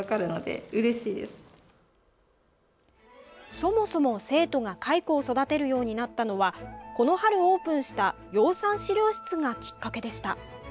そもそも生徒が蚕を育てるようになったのはこの春オープンした養蚕資料室がきっかけでした。